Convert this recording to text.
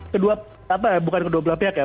kedua apa ya bukan kedua belah pihak ya